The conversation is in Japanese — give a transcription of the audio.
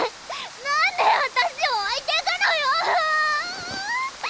何で私を置いてくのよ！